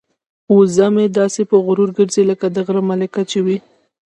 وزه مې داسې په غرور ګرځي لکه د غره ملکه چې وي.